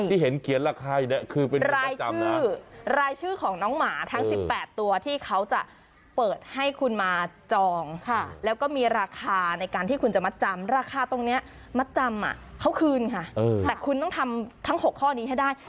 ที่เห็นเขียนราคาอย่างนี้คือเป็นรายชื่อรายชื่อของน้องหมาทั้ง๑๘ตัวที่เขาจะเปิดให้คุณมาจองแล้วก็มีราคาในการที่คุณจะมัดจำราคาตรงนี้มัดจำเขาคืนค่ะแต่คุณต้องทำทั้ง๖ข้อนี้ให้ได้